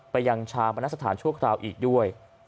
ยังชาปนสถานชั่วคราวอีกด้วย